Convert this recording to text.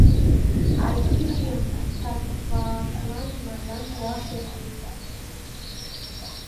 Айвийым Сарвашлан марлан пуаш ок лий.